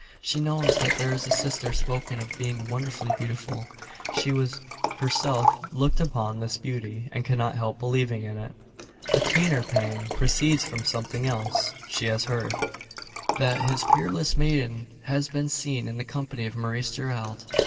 She knows that there is a sister, spoken of as being wonderfully beautiful. She has herself looked upon this beauty, and cannot help believing in it. A keener pang proceeds from something else she has heard: that this peerless maiden has been seen in the company of Maurice Gerald.